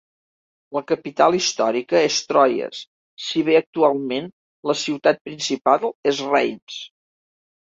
La capital històrica és Troyes si bé actualment la ciutat principal és Reims.